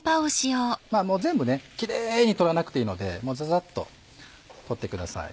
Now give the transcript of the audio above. まぁ全部キレイに取らなくていいのでザザっと取ってください。